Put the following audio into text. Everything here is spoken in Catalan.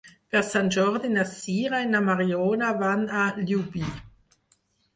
Per Sant Jordi na Sira i na Mariona van a Llubí.